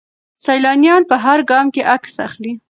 سیلانیان په هر ګام کې عکس اخلي.